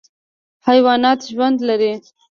حیوانات ژوند لري.